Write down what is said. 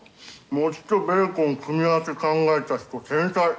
餅とベーコン組み合わせ考えた人天才！